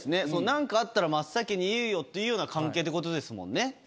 何かあったら真っ先に言えよっていうような関係ってことですもんね。